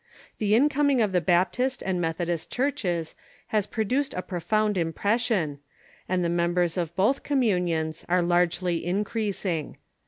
The incoming of the Bap tist and Methodist churches has produced a profound impres sion, and the members of both communions are largely increas ing.